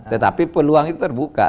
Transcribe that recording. tetapi peluang itu terbuka